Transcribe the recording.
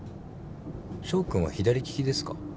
翔君は左利きですか？